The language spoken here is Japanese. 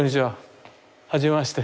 はじめまして。